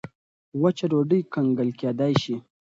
وچه ډوډۍ کنګل کېدای شي.